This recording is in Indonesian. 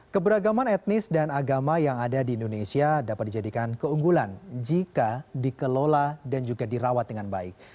keberagaman etnis dan agama yang ada di indonesia dapat dijadikan keunggulan jika dikelola dan juga dirawat dengan baik